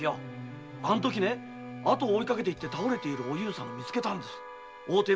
あのとき後を追いかけていって倒れているおゆうさんをみつけたんです。